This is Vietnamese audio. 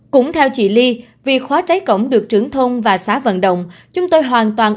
cũng theo chị ly vì khóa trái cổng được trưởng thôn và xá vận động chúng tôi hoàn toàn